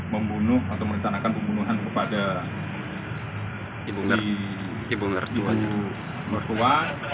membunuh atau merencanakan pembunuhan kepada ibu mertua ibu mertua